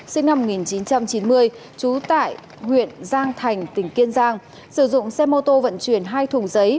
sinh năm một nghìn chín trăm chín mươi trú tại huyện giang thành tỉnh kiên giang sử dụng xe mô tô vận chuyển hai thùng giấy